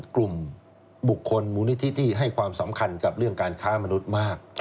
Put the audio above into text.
กลุ่มบุคคลมูลนิธิที่ให้ความสำคัญกับเรื่องการค้ามนุษย์มาก